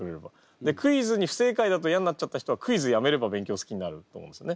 でクイズに不正解だと嫌になっちゃった人はクイズやめれば勉強好きになると思うんですね。